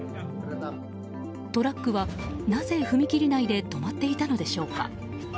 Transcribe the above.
トラックは、なぜ踏切内で止まっていたのでしょうか。